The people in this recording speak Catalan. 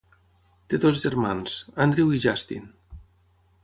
Té dos germans, Andrew i Justin.